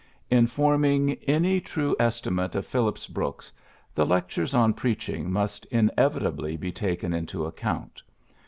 In .forming any true estimate of Phillips Brooks, the Lectures on Freaching must inevitably be taken into account.